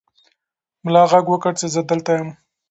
ملا غږ وکړ چې زه دلته یم.